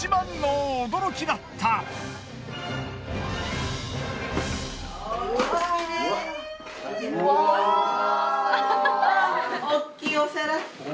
大きいお皿。